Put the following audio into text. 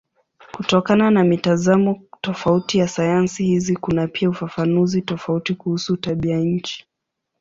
Kutokana na mitazamo tofauti ya sayansi hizi kuna pia ufafanuzi tofauti kuhusu tabianchi.